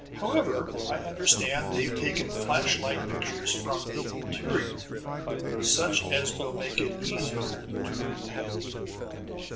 However, I understand they've taken flash light pictures from the interior, such as will make it easier to believe."